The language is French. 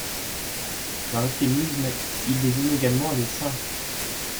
Par euphémisme, il désigne également les seins.